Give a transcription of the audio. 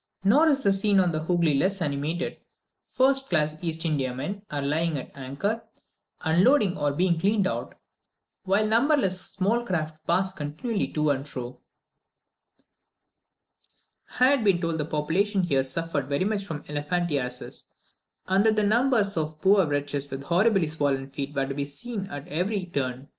Nor is the scene on the Hoogly less animated; first class East Indiamen are lying at anchor, unloading or being cleaned out, while numberless small craft pass continually to and fro. I had been told that the population here suffered very much from elephantiasis, and that numbers of poor wretches with horribly swollen feet were to be seen at almost every turn.